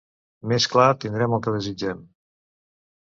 més clar tindrem el que desitgem